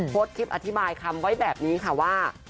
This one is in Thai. โพสต์คลิปอธิบายคำไว้แบบนี้ค่ะว่า